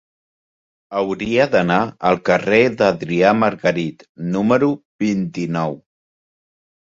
Hauria d'anar al carrer d'Adrià Margarit número vint-i-nou.